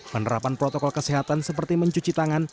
penerapan protokol kesehatan seperti mencuci tangan